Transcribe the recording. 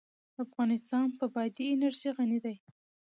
افغانستان په بادي انرژي غني دی.